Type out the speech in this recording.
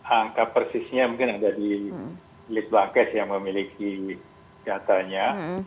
angka persisnya mungkin ada di litbangkes yang memiliki datanya